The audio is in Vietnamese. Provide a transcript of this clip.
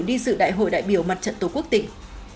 đi sự đại hội đại biểu mặt trận tổ quốc tỉnh